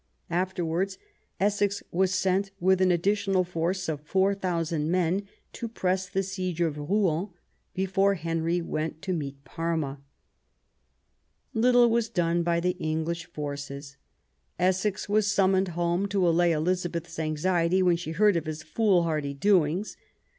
After wards Essex was sent with an additional force of 4000 men to press the siege of Rouen, before Henry went to meet Parma. Little was done by the English forces. Essex was summoned home to allay Eliza beth's anxiety when she heard of his foolhardy doings.